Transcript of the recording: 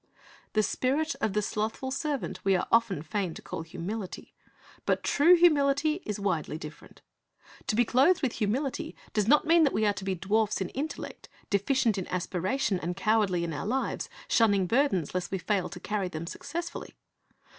The spirit of the slothful servant we are often fain to call humility. But true humility is widely different. To be clothed with humility does not mean that we are to be dwarfs in intellect, deficient in aspiration, and cowardh' in our li\"es, shunning burdens lest we fail to carr)' them successfully.